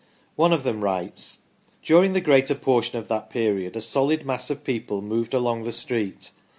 One of them writes :" During the greater portion of that period a solid mass of people moved along the street.